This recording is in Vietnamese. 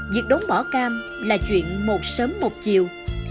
việc đốn bỏ cam là chuyện một sớm một chiều